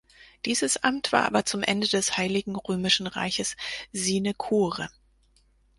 Dieses Amt war aber zum Ende des Heiligen Römischen Reiches Sinekure.